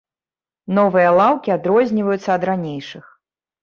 Новыя лаўкі адрозніваюцца ад ранейшых.